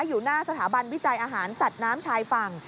อยู่หน้าสถาบันวิจัยอาหารสัตว์น้ำชายฝั่ง